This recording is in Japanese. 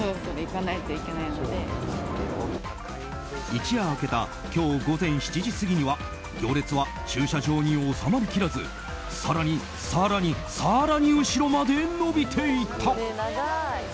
一夜明けた今日午前７時過ぎには行列は駐車場に収まりきらず更に、更に、更に後ろまで延びていた。